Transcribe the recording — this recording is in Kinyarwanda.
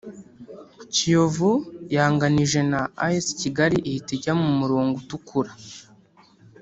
Kiyovu yanganije na As Kigali ihita ijya mu murongo utukura